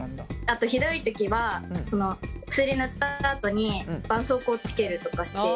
あとひどい時は薬塗ったあとにばんそうこうをつけるとかして。